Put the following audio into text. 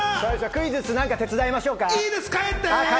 クイズッス、何か手伝いましょうか？